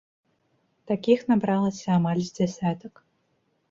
Такіх набралася амаль з дзясятак.